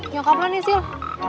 nyokap lah nih sil